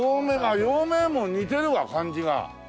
陽明門似てるわ感じが。